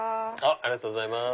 ありがとうございます。